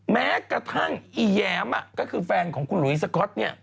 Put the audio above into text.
แม้กระทั่งอีแย้มก็คือแฟนของคุณหลุยสก๊อตเนี่ย